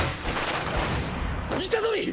虎杖！